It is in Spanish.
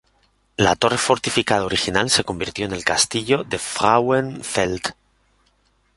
La torre fortificada original se convirtió en el castillo de Frauenfeld.